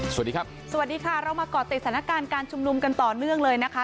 สวัสดีครับสวัสดีค่ะเรามาก่อติดสถานการณ์การชุมนุมกันต่อเนื่องเลยนะคะ